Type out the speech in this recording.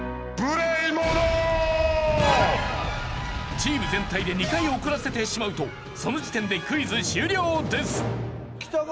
チーム全体で２回怒らせてしまうとその時点でクイズ終了です。